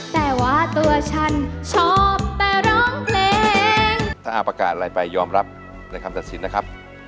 ถ้าอาประกาศอะไรไปยอมรับในคำตัดสินนะครับ